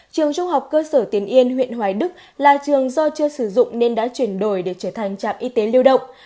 trường trung học cơ sở tiền yên huyện hoài đức là trường do chưa sử dụng nên đã chuyển đổi để trở thành trạm y tế lưu động